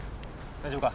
大丈夫か？